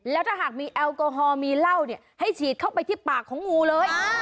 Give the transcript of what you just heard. แล้วถ้าหากมีแอลกอฮอลมีเหล้าเนี่ยให้ฉีดเข้าไปที่ปากของงูเลย